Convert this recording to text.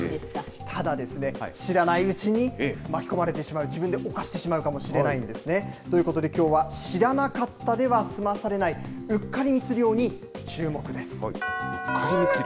ただですね、知らないうちに巻き込まれてしまう、自分で犯してしまうかもしれないんですね。ということで、きょうは、知らなかったでは済まされない、うっかり密漁にチューモク！です。